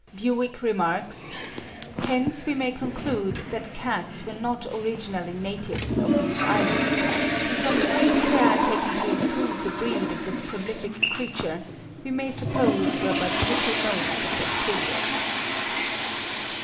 Bewick remarks: "Hence we may conclude that cats were not originally natives of these islands, and from the great care taken to improve the breed of this prolific creature, we may suppose were but little known at that period."